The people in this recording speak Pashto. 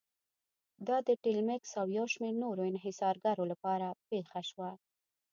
دا د ټیلمکس او یو شمېر نورو انحصارګرو لپاره پېښه شوه.